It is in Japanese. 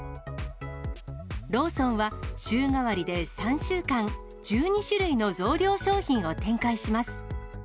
ローソンは、週替わりで３週間、１２種類の増量商品を展開します。